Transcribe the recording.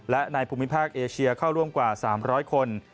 และในภูมิภาคเอเชียเข้าร่วมกว่า๓๐๐คน